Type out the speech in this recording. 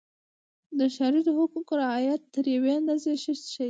د ښاریزو حقوقو رعایت تر یوې اندازې ښه شي.